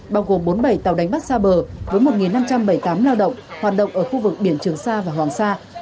bao gồm bốn mươi bảy tàu đánh bắt xa bờ với một năm trăm bảy mươi tám lao động hoạt động ở khu vực biển trường sa và hoàng sa